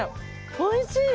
おいしい！